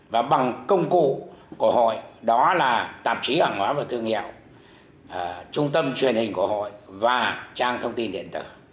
và bằng công cụ của hội đó là tạp chí hàng hóa và thương nghiệp trung tâm truyền hình của hội và trang thông tin điện tử